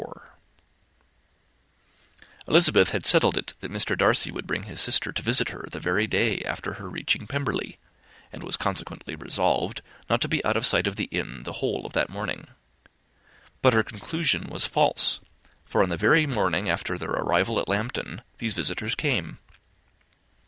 Elizabeth had settled it that Mr. Darcy would bring his sister to visit her the very day after her reaching Pemberley; and was, consequently, resolved not to be out of sight of the inn the whole of that morning. But her conclusion was false; for on the very morning after their own arrival at Lambton these visitors came.